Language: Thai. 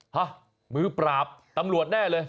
ฮะมือปราบตำรวจแน่เลย